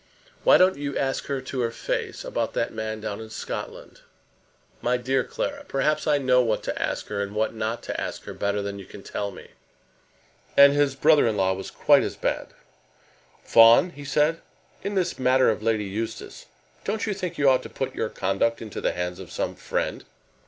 Why don't you ask her to her face about that man down in Scotland?" "My dear Clara, perhaps I know what to ask her and what not to ask her better than you can tell me." And his brother in law was quite as bad. "Fawn," he said, "in this matter of Lady Eustace, don't you think you ought to put your conduct into the hands of some friend?"